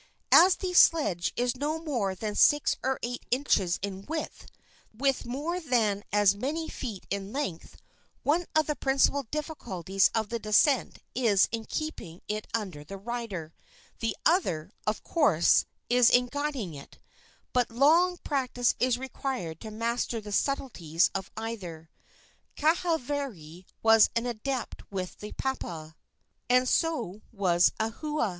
As the sledge is not more than six or eight inches in width, with more than as many feet in length, one of the principal difficulties of the descent is in keeping it under the rider; the other, of course, is in guiding it; but long practice is required to master the subtleties of either. Kahavari was an adept with the papa, and so was Ahua.